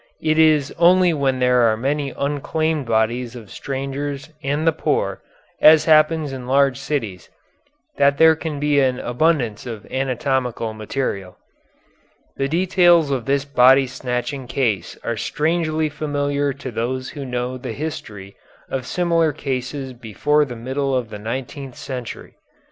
It is only when there are many unclaimed bodies of strangers and the poor, as happens in large cities, that there can be an abundance of anatomical material. The details of this body snatching case are strangely familiar to those who know the history of similar cases before the middle of the nineteenth century.